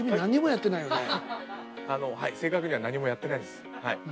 はい正確には何もやってないです。